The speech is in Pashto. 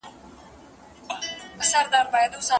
ړوند سړي له ږیري سره ډوډۍ او مڼه اخیستې وه.